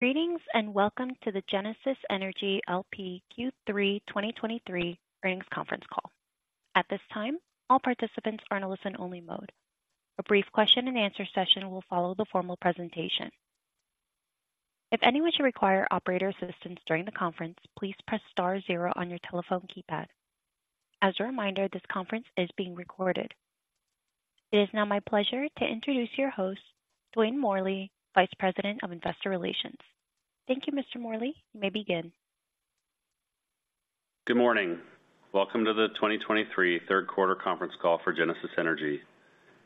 Greetings, and welcome to the Genesis Energy LP Q3 2023 Earnings Conference Call. At this time, all participants are in a listen-only mode. A brief question and answer session will follow the formal presentation. If anyone should require operator assistance during the conference, please press star zero on your telephone keypad. As a reminder, this conference is being recorded. It is now my pleasure to introduce your host, Dwayne Morley, Vice President of Investor Relations. Thank you, Mr. Morley. You may begin. Good morning. Welcome to the 2023 Q3 Conference Call for Genesis Energy.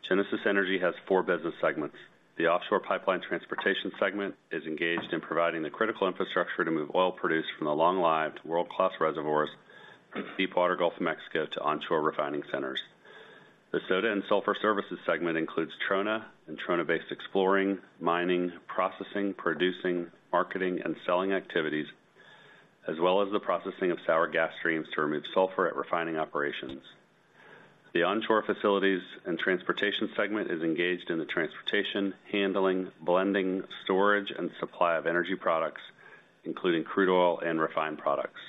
Genesis Energy has four business segments. The Offshore Pipeline Transportation segment is engaged in providing the critical infrastructure to move oil produced from the long-lived world-class reservoirs from Deepwater Gulf of Mexico to onshore refining centers. The Soda and Sulfur Services segment includes Trona and Trona-based exploring, mining, processing, producing, marketing, and selling activities, as well as the processing of sour gas streams to remove sulfur at refining operations. The Onshore Facilities and Transportation segment is engaged in the transportation, handling, blending, storage, and supply of energy products, including crude oil and refined products.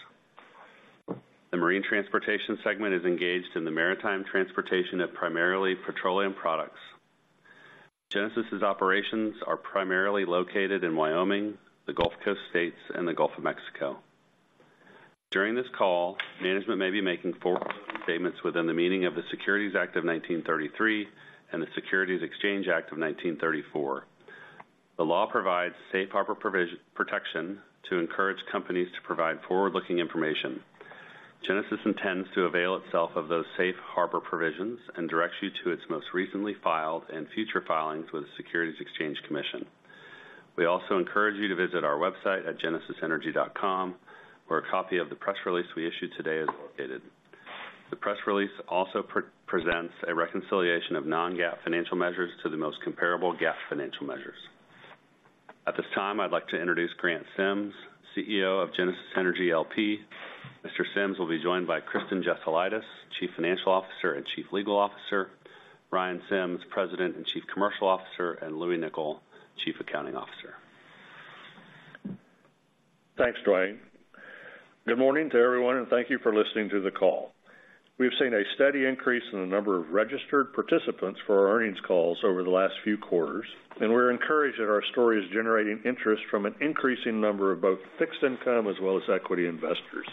The Marine Transportation segment is engaged in the maritime transportation of primarily petroleum products. Genesis's operations are primarily located in Wyoming, the Gulf Coast states, and the Gulf of Mexico. During this call, management may be making forward-looking statements within the meaning of the Securities Act of 1933 and the Securities Exchange Act of 1934. The law provides safe harbor provisions to encourage companies to provide forward-looking information. Genesis intends to avail itself of those safe harbor provisions and directs you to its most recently filed and future filings with the Securities and Exchange Commission. We also encourage you to visit our website at genesisenergy.com, where a copy of the press release we issued today is located. The press release also presents a reconciliation of non-GAAP financial measures to the most comparable GAAP financial measures. At this time, I'd like to introduce Grant Sims, CEO of Genesis Energy LP. Mr. Sims will be joined by Kristen Jesulaitis, Chief Financial Officer and Chief Legal Officer, Ryan Sims, President and Chief Commercial Officer, and Louie Nicol, Chief Accounting Officer. Thanks, Dwayne. Good morning to everyone, and thank you for listening to the call. We've seen a steady increase in the number of registered participants for our earnings calls over the last few quarters, and we're encouraged that our story is generating interest from an increasing number of both fixed income as well as equity investors.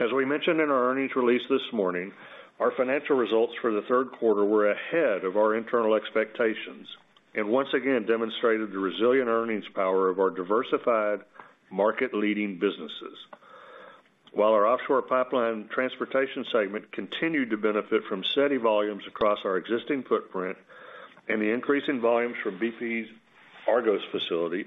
As we mentioned in our earnings release this morning, our financial results for the Q3 were ahead of our internal expectations, and once again demonstrated the resilient earnings power of our diversified market-leading businesses. While our offshore pipeline transportation segment continued to benefit from steady volumes across our existing footprint and the increase in volumes from BP's Argos facility,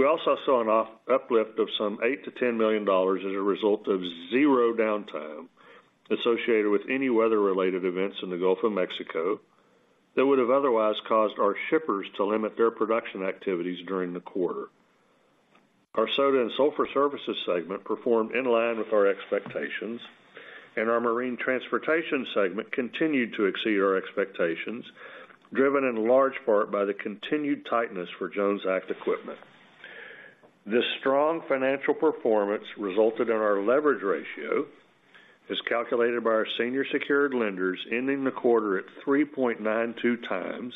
we also saw an uplift of some $8 -10 million as a result of zero downtime associated with any weather-related events in the Gulf of Mexico that would have otherwise caused our shippers to limit their production activities during the quarter. Our Soda and Sulfur Services segment performed in line with our expectations, and our Marine Transportation segment continued to exceed our expectations, driven in large part by the continued tightness for Jones Act equipment. This strong financial performance resulted in our leverage ratio, as calculated by our senior secured lenders, ending the quarter at 3.92x,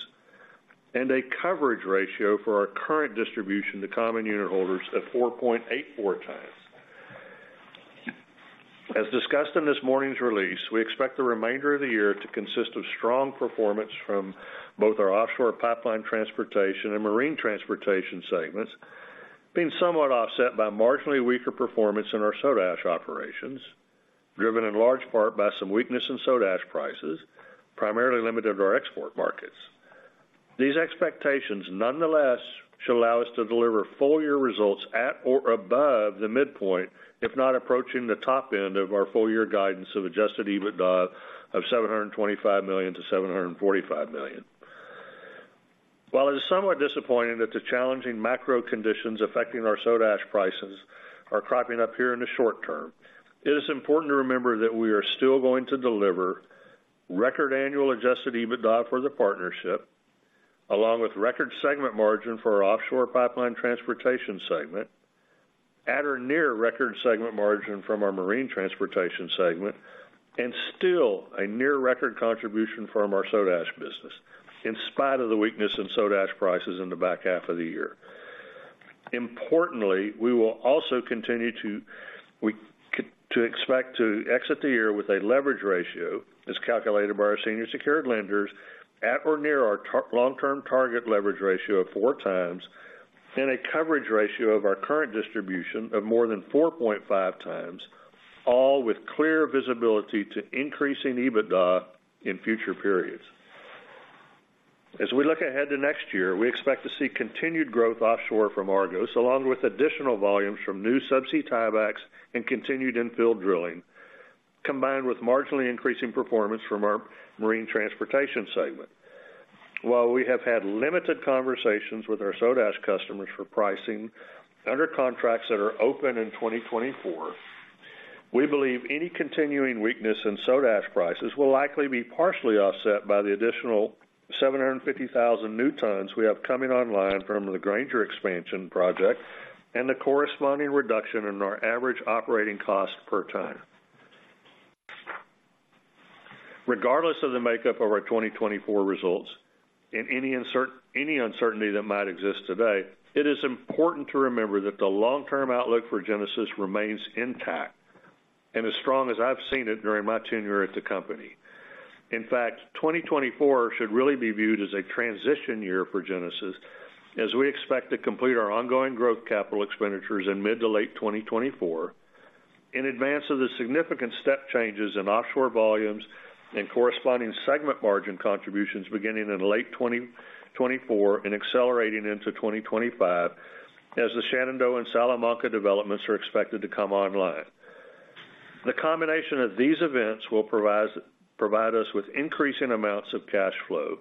and a coverage ratio for our current distribution to common unit holders at 4.84x. As discussed in this morning's release, we expect the remainder of the year to consist of strong performance from both our offshore pipeline transportation and marine transportation segments, being somewhat offset by marginally weaker performance in our soda ash operations, driven in large part by some weakness in soda ash prices, primarily limited to our export markets. These expectations, nonetheless, should allow us to deliver full year results at or above the midpoint, if not approaching the top end of our full year guidance of Adjusted EBITDA of $725 million-$745 million. While it is somewhat disappointing that the challenging macro conditions affecting our soda ash prices are cropping up here in the short term, it is important to remember that we are still going to deliver record annual Adjusted EBITDA for the partnership, along with record segment margin for our Offshore Pipeline Transportation segment, at or near record segment margin from our Marine Transportation segment, and still a near record contribution from our soda ash business, in spite of the weakness in soda ash prices in the back half of the year. Importantly, we will also continue to expect to exit the year with a leverage ratio, as calculated by our senior secured lenders, at or near our long-term target leverage ratio of 4x, and a coverage ratio of our current distribution of more than 4.5x, all with clear visibility to increasing EBITDA in future periods. As we look ahead to next year, we expect to see continued growth offshore from Argos, along with additional volumes from new subsea tiebacks and continued infill drilling, combined with marginally increasing performance from our marine transportation segment. While we have had limited conversations with our soda ash customers for pricing under contracts that are open in 2024,... We believe any continuing weakness in soda ash prices will likely be partially offset by the additional 750,000 new tons we have coming online from the Granger expansion project and the corresponding reduction in our average operating cost per ton. Regardless of the makeup of our 2024 results, and any uncertainty that might exist today, it is important to remember that the long-term outlook for Genesis remains intact and as strong as I've seen it during my tenure at the company. In fact, 2024 should really be viewed as a transition year for Genesis, as we expect to complete our ongoing growth capital expenditures in mid to late 2024, in advance of the significant step changes in offshore volumes and corresponding segment margin contributions beginning in late 2024 and accelerating into 2025, as the Shenandoah and Salamanca developments are expected to come online. The combination of these events will provide us with increasing amounts of cash flow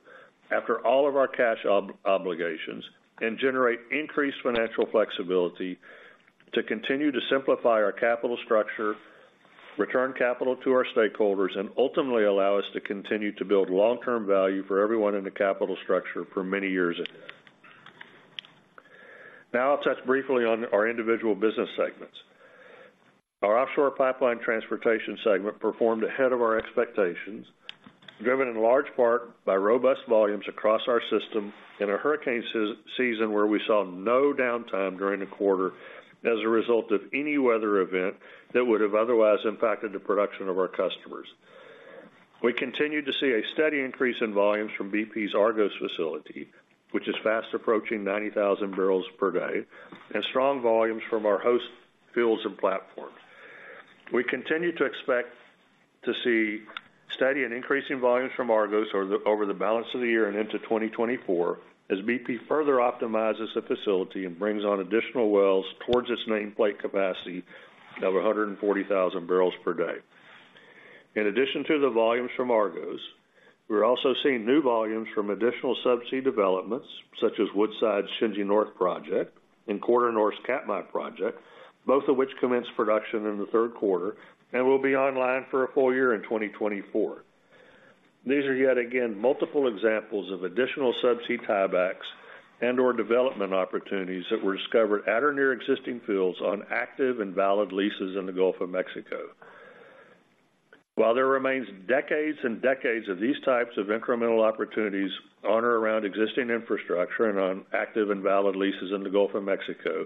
after all of our cash obligations, and generate increased financial flexibility to continue to simplify our capital structure, return capital to our stakeholders, and ultimately allow us to continue to build long-term value for everyone in the capital structure for many years ahead. Now I'll touch briefly on our individual business segments. Our offshore pipeline transportation segment performed ahead of our expectations, driven in large part by robust volumes across our system in a hurricane season where we saw no downtime during the quarter as a result of any weather event that would have otherwise impacted the production of our customers. We continued to see a steady increase in volumes from BP's Argos facility, which is fast approaching 90,000 barrels per day, and strong volumes from our host fields and platforms. We continue to expect to see steady and increasing volumes from Argos over the balance of the year and into 2024, as BP further optimizes the facility and brings on additional wells towards its nameplate capacity of 140,000 barrels per day. In addition to the volumes from Argos, we're also seeing new volumes from additional subsea developments, such as Woodside's Shenzi North project and QuarterNorth's Katmai project, both of which commenced production in the Q3 and will be online for a full year in 2024. These are yet again, multiple examples of additional subsea tiebacks and/or development opportunities that were discovered at or near existing fields on active and valid leases in the Gulf of Mexico. While there remains decades and decades of these types of incremental opportunities on or around existing infrastructure and on active and valid leases in the Gulf of Mexico,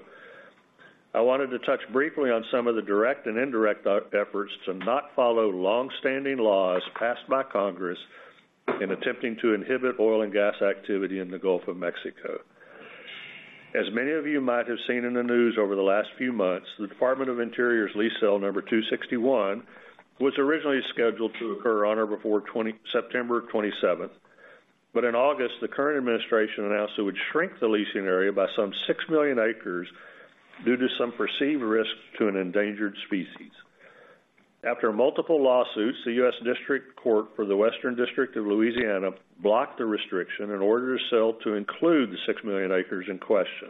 I wanted to touch briefly on some of the direct and indirect efforts to not follow long-standing laws passed by Congress in attempting to inhibit oil and gas activity in the Gulf of Mexico. As many of you might have seen in the news over the last few months, the U.S. Department of the Interior's Lease Sale Number 261 was originally scheduled to occur on or before September 27. But in August, the current administration announced it would shrink the leasing area by some 6 million acres due to some perceived risk to an endangered species. After multiple lawsuits, the U.S. District Court for the Western District of Louisiana blocked the restriction and ordered the sale to include the 6 million acres in question.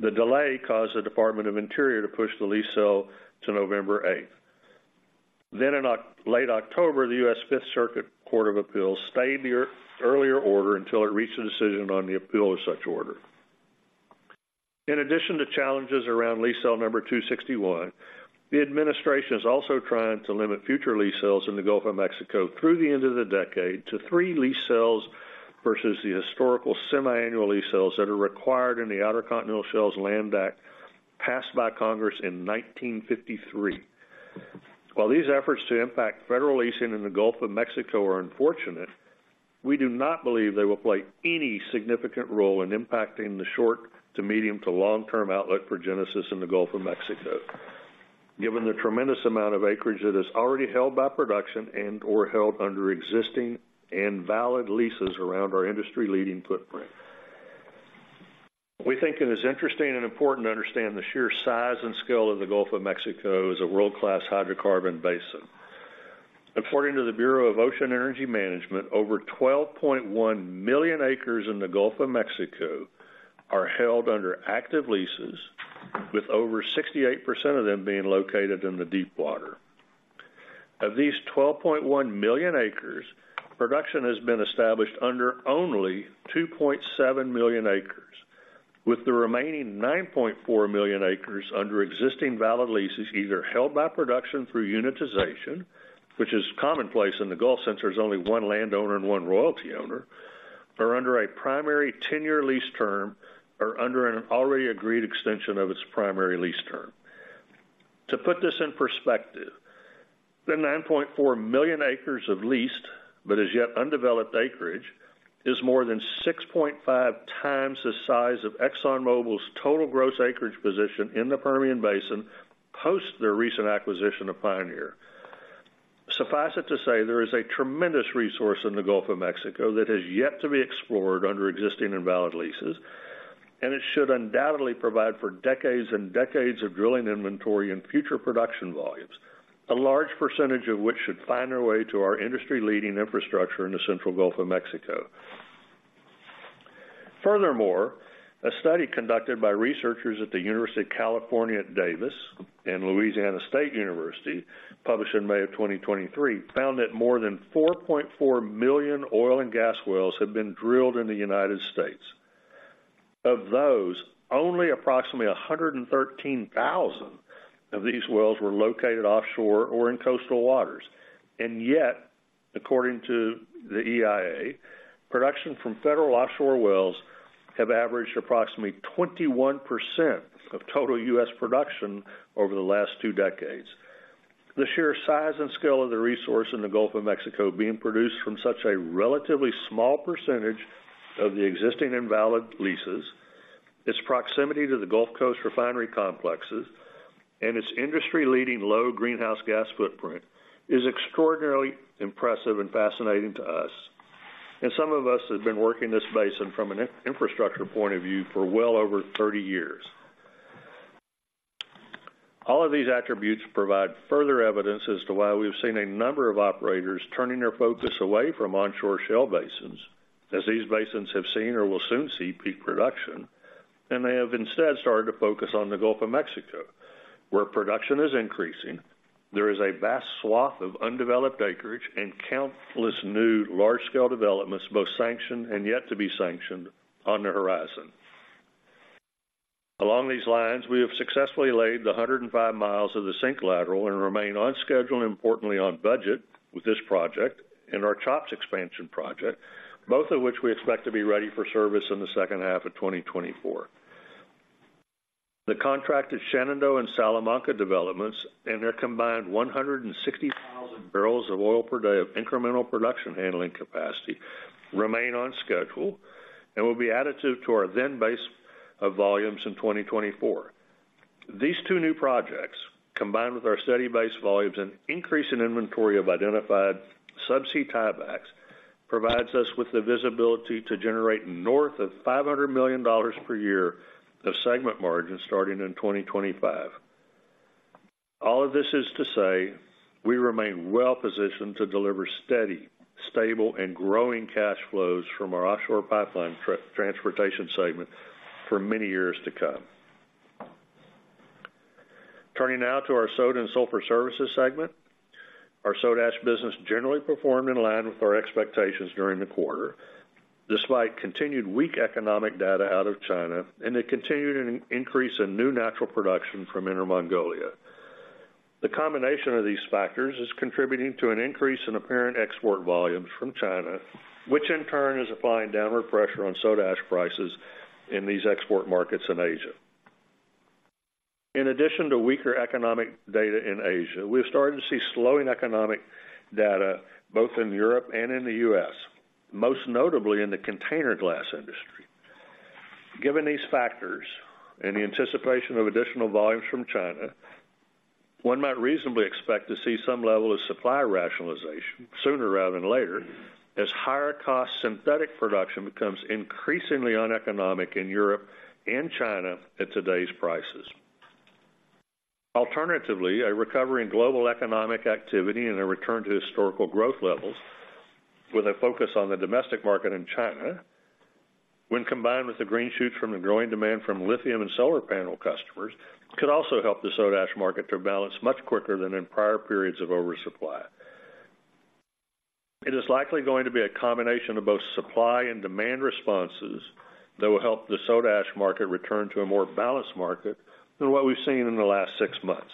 The delay caused the U.S. Department of the Interior to push the lease sale to November 8. Then in late October, the U.S. Fifth Circuit Court of Appeals stayed the earlier order until it reached a decision on the appeal of such order. In addition to challenges around Lease Sale Number 261, the administration is also trying to limit future lease sales in the Gulf of Mexico through the end of the decade to 3 lease sales versus the historical semiannual lease sales that are required in the Outer Continental Shelf Lands Act, passed by Congress in 1953. While these efforts to impact federal leasing in the Gulf of Mexico are unfortunate, we do not believe they will play any significant role in impacting the short to medium to long-term outlook for Genesis in the Gulf of Mexico, given the tremendous amount of acreage that is already held by production and or held under existing and valid leases around our industry-leading footprint. We think it is interesting and important to understand the sheer size and scale of the Gulf of Mexico as a world-class hydrocarbon basin. According to the Bureau of Ocean Energy Management, over 12.1 million acres in the Gulf of Mexico are held under active leases, with over 68% of them being located in the deepwater. Of these 12.1 million acres, production has been established under only 2.7 million acres, with the remaining 9.4 million acres under existing valid leases, either held by production through unitization, which is commonplace in the Gulf, since there's only one landowner and one royalty owner, or under a primary 10-year lease term, or under an already agreed extension of its primary lease term. To put this in perspective, the 9.4 million acres of leased, but as yet undeveloped acreage, is more than 6.5x the size of ExxonMobil's total gross acreage position in the Permian Basin, post their recent acquisition of Pioneer. Suffice it to say, there is a tremendous resource in the Gulf of Mexico that has yet to be explored under existing and valid leases, and it should undoubtedly provide for decades and decades of drilling inventory and future production volumes, a large percentage of which should find their way to our industry-leading infrastructure in the central Gulf of Mexico. Furthermore, a study conducted by researchers at the University of California, Davis and Louisiana State University, published in May 2023, found that more than 4.4 million oil and gas wells have been drilled in the United States. Of those, only approximately 113,000 of these wells were located offshore or in coastal waters. And yet, according to the EIA, production from federal offshore wells have averaged approximately 21% of total U.S. production over the last two decades. The sheer size and scale of the resource in the Gulf of Mexico being produced from such a relatively small percentage of the existing and valid leases, its proximity to the Gulf Coast refinery complexes, and its industry-leading low greenhouse gas footprint, is extraordinarily impressive and fascinating to us. And some of us have been working this basin from an infrastructure point of view for well over 30 years. All of these attributes provide further evidence as to why we've seen a number of operators turning their focus away from onshore shale basins, as these basins have seen or will soon see peak production, and they have instead started to focus on the Gulf of Mexico, where production is increasing. There is a vast swath of undeveloped acreage and countless new large-scale developments, both sanctioned and yet to be sanctioned, on the horizon. Along these lines, we have successfully laid the 105 miles of the SYNC Lateral and remain on schedule, and importantly, on budget with this project and our CHOPS expansion project, both of which we expect to be ready for service in the second half of 2024. The contracted Shenandoah and Salamanca developments, and their combined 160,000 barrels of oil per day of incremental production handling capacity, remain on schedule and will be additive to our then base of volumes in 2024. These two new projects, combined with our steady base volumes and increase in inventory of identified subsea tiebacks, provides us with the visibility to generate north of $500 million per year of segment margins starting in 2025. All of this is to say, we remain well positioned to deliver steady, stable, and growing cash flows from our Offshore Pipeline Transportation segment for many years to come. Turning now to our Soda and Sulfur Services segment. Our soda ash business generally performed in line with our expectations during the quarter, despite continued weak economic data out of China and a continued increase in new natural production from Inner Mongolia. The combination of these factors is contributing to an increase in apparent export volumes from China, which in turn is applying downward pressure on soda ash prices in these export markets in Asia. In addition to weaker economic data in Asia, we've started to see slowing economic data both in Europe and in the U.S., most notably in the container glass industry. Given these factors and the anticipation of additional volumes from China, one might reasonably expect to see some level of supply rationalization sooner rather than later, as higher cost synthetic production becomes increasingly uneconomic in Europe and China at today's prices. Alternatively, a recovery in global economic activity and a return to historical growth levels, with a focus on the domestic market in China, when combined with the green shoots from the growing demand from lithium and solar panel customers, could also help the soda ash market to balance much quicker than in prior periods of oversupply. It is likely going to be a combination of both supply and demand responses that will help the soda ash market return to a more balanced market than what we've seen in the last six months.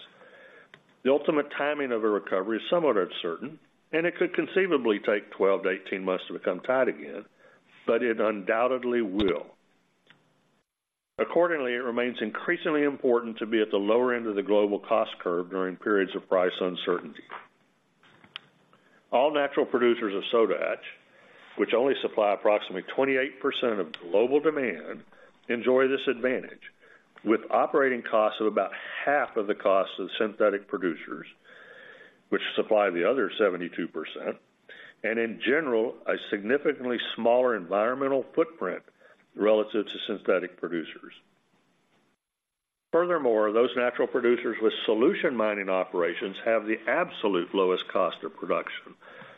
The ultimate timing of a recovery is somewhat uncertain, and it could conceivably take 12-18 months to become tight again, but it undoubtedly will. Accordingly, it remains increasingly important to be at the lower end of the global cost curve during periods of price uncertainty. All natural producers of soda ash, which only supply approximately 28% of global demand, enjoy this advantage, with operating costs of about half of the cost of synthetic producers, which supply the other 72%, and in general, a significantly smaller environmental footprint relative to synthetic producers. Furthermore, those natural producers with solution mining operations have the absolute lowest cost of production,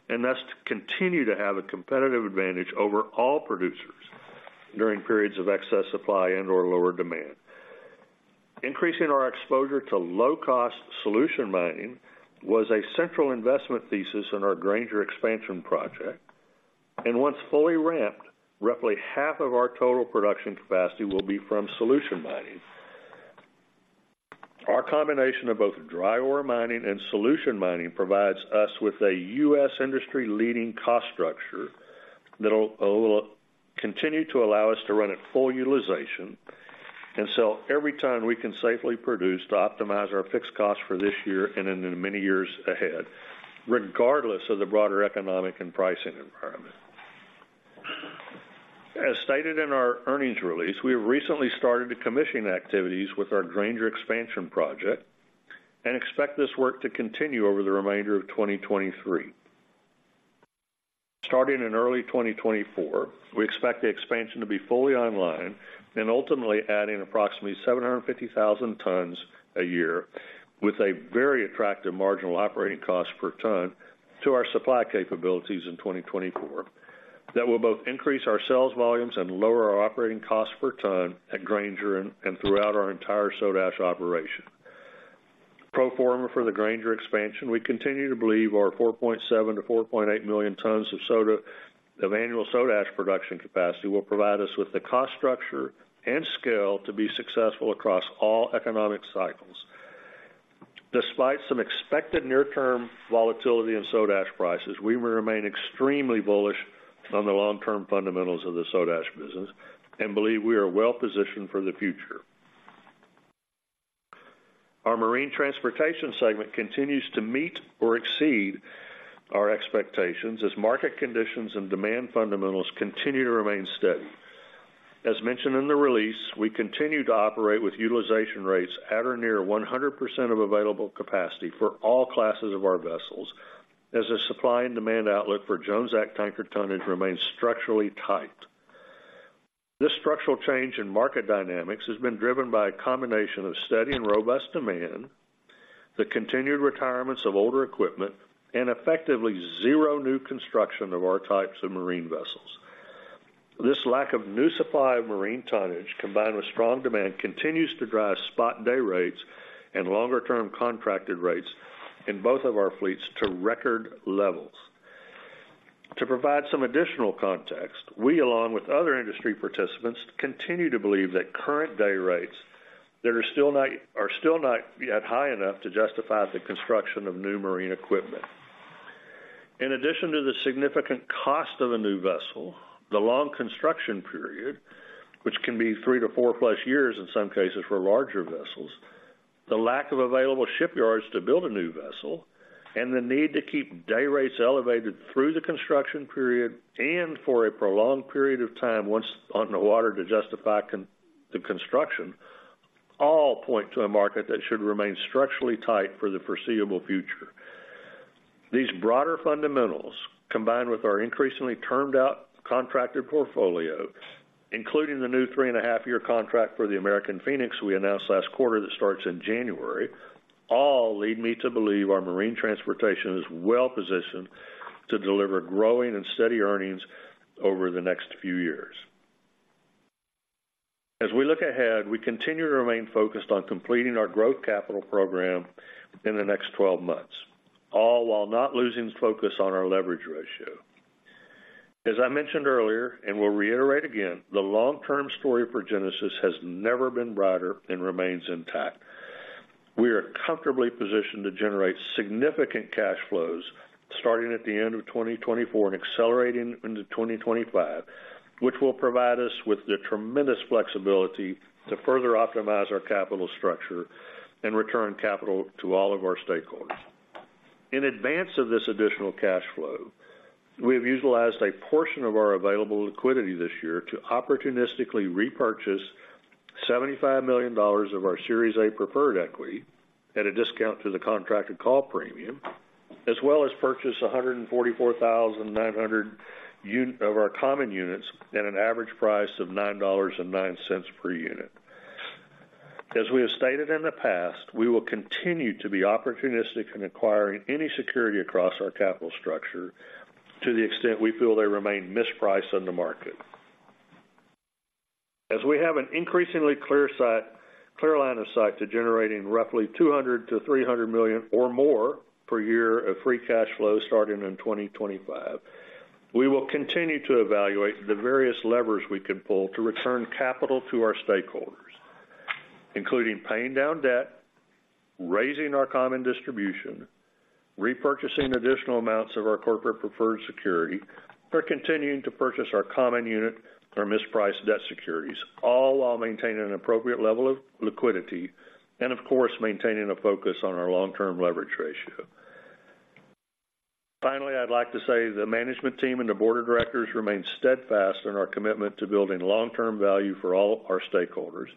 and thus continue to have a competitive advantage over all producers during periods of excess supply and/or lower demand. Increasing our exposure to low-cost solution mining was a central investment thesis in our Granger expansion project, and once fully ramped, roughly half of our total production capacity will be from solution mining. Our combination of both dry ore mining and solution mining provides us with a U.S. industry-leading cost structure that'll, will continue to allow us to run at full utilization, and so every ton we can safely produce to optimize our fixed costs for this year and in the many years ahead, regardless of the broader economic and pricing environment. As stated in our earnings release, we have recently started the commissioning activities with our Granger expansion project and expect this work to continue over the remainder of 2023. Starting in early 2024, we expect the expansion to be fully online and ultimately adding approximately 750,000 tons a year...with a very attractive marginal operating cost per ton to our supply capabilities in 2024, that will both increase our sales volumes and lower our operating costs per ton at Granger and, and throughout our entire soda ash operation. Pro forma for the Granger expansion, we continue to believe our 4.7-4.8 million tons of soda- of annual soda ash production capacity will provide us with the cost structure and scale to be successful across all economic cycles. Despite some expected near-term volatility in soda ash prices, we will remain extremely bullish on the long-term fundamentals of the soda ash business and believe we are well positioned for the future. Our marine transportation segment continues to meet or exceed our expectations as market conditions and demand fundamentals continue to remain steady. As mentioned in the release, we continue to operate with utilization rates at or near 100% of available capacity for all classes of our vessels, as the supply and demand outlook for Jones Act tanker tonnage remains structurally tight. This structural change in market dynamics has been driven by a combination of steady and robust demand, the continued retirements of older equipment, and effectively zero new construction of our types of marine vessels. This lack of new supply of marine tonnage, combined with strong demand, continues to drive spot day rates and longer-term contracted rates in both of our fleets to record levels. To provide some additional context, we, along with other industry participants, continue to believe that current day rates that are still not yet high enough to justify the construction of new marine equipment. In addition to the significant cost of a new vessel, the long construction period, which can be three to 4+ years in some cases for larger vessels, the lack of available shipyards to build a new vessel, and the need to keep day rates elevated through the construction period and for a prolonged period of time once on the water to justify the construction, all point to a market that should remain structurally tight for the foreseeable future. These broader fundamentals, combined with our increasingly termed out contracted portfolio, including the new 3.5-year contract for the American Phoenix we announced last quarter that starts in January, all lead me to believe our Marine Transportation is well positioned to deliver growing and steady earnings over the next few years. As we look ahead, we continue to remain focused on completing our growth capital program in the next 12 months, all while not losing focus on our leverage ratio. As I mentioned earlier, and will reiterate again, the long-term story for Genesis has never been brighter and remains intact. We are comfortably positioned to generate significant cash flows starting at the end of 2024 and accelerating into 2025, which will provide us with the tremendous flexibility to further optimize our capital structure and return capital to all of our stakeholders. In advance of this additional cash flow, we have utilized a portion of our available liquidity this year to opportunistically repurchase $75 million of our Series A preferred equity at a discount to the contracted call premium, as well as purchase 144,900 units of our common units at an average price of $9.09 per unit. As we have stated in the past, we will continue to be opportunistic in acquiring any security across our capital structure to the extent we feel they remain mispriced on the market. As we have an increasingly clear line of sight to generating roughly $200 -300 million or more per year of free cash flow starting in 2025, we will continue to evaluate the various levers we can pull to return capital to our stakeholders, including paying down debt, raising our common distribution, repurchasing additional amounts of our corporate preferred security, or continuing to purchase our common unit or mispriced debt securities, all while maintaining an appropriate level of liquidity and, of course, maintaining a focus on our long-term leverage ratio. Finally, I'd like to say the management team and the board of directors remain steadfast in our commitment to building long-term value for all our stakeholders,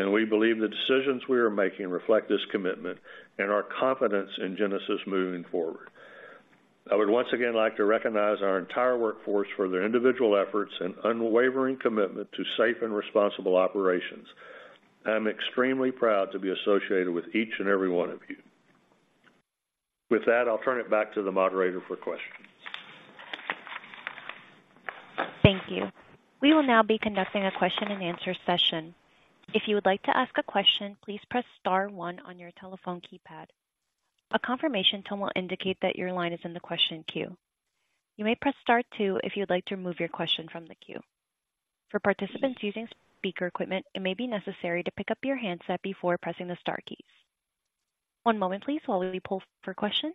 and we believe the decisions we are making reflect this commitment and our confidence in Genesis moving forward. I would once again like to recognize our entire workforce for their individual efforts and unwavering commitment to safe and responsible operations. I'm extremely proud to be associated with each and every one of you. With that, I'll turn it back to the moderator for questions. Thank you. We will now be conducting a question and answer session. If you would like to ask a question, please press star one on your telephone keypad. A confirmation tone will indicate that your line is in the question queue. You may press star two if you'd like to remove your question from the queue. For participants using speaker equipment, it may be necessary to pick up your handset before pressing the star keys. One moment please while we poll for questions.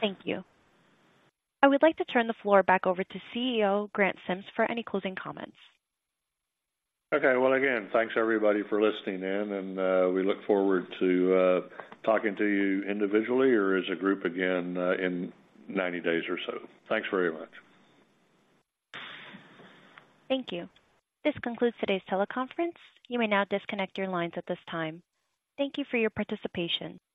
Thank you. I would like to turn the floor back over to CEO Grant Sims for any closing comments. Okay. Well, again, thanks, everybody, for listening in, and we look forward to talking to you individually or as a group again in 90 days or so. Thanks very much. Thank you. This concludes today's teleconference. You may now disconnect your lines at this time. Thank you for your participation.